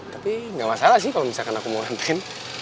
tapi enggak masalah sih kalau misalkan aku mau anterin